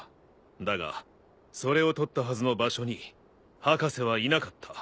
だがそれを撮ったはずの場所に博士はいなかった。